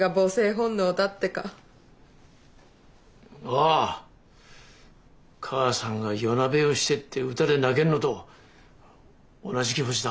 ああ母さんが夜なべをしてって歌で泣けるのと同じ気持ちだ。